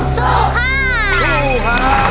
สู้ค่ะครับ